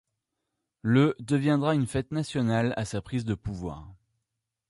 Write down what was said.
Le deviendra une fête nationale à sa prise de pouvoir.